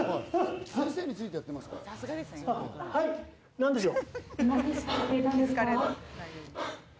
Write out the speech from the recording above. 何でしょう？